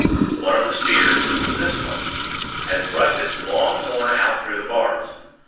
"One of the steers this one had thrust its long horn out through the bars.